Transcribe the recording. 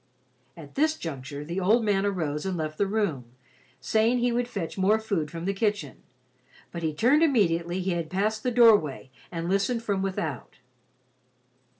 At this juncture, the old man arose and left the room, saving he would fetch more food from the kitchen, but he turned immediately he had passed the doorway and listened from without.